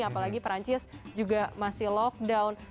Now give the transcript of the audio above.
apalagi perancis juga masih lockdown